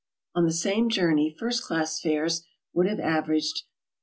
On the same journey first class fares would have averaged $0.